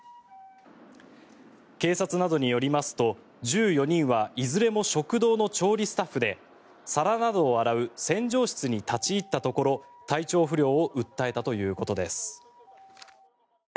警察などによりますと、１４人はいずれも食堂の調理スタッフで皿などを洗う洗浄室に立ち入ったところ体調不良を訴えたということです。